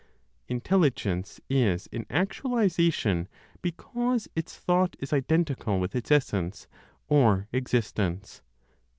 INTELLIGENCE IS IN ACTUALIZATION BECAUSE ITS THOUGHT IS IDENTICAL WITH ITS ESSENCE OR EXISTENCE.